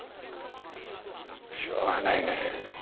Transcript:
しょうがないね。